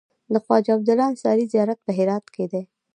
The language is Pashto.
د خواجه عبدالله انصاري زيارت په هرات کی دی